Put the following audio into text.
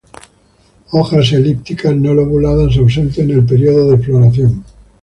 Hojas elípticas, no lobuladas, ausentes en el período de floración.